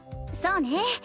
そうね。